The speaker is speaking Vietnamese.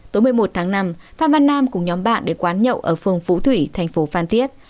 tối một mươi một tháng năm phan văn nam cùng nhóm bạn đến quán nhậu ở phường phú thủy thành phố phan thiết